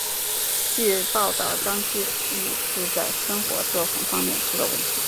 据报道张继禹是在生活作风方面出了问题。